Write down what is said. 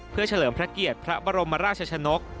เพื่อเฉลิมพระเกียรติพระบรมราชชนก